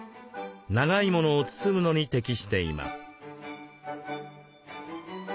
長いものを包むのに適しています。